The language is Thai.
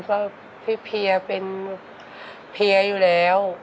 ก็พี่เพียเป็นเพียอยู่แล้ว